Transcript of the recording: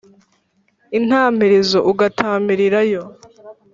i ntamirizo ugatamirira yo.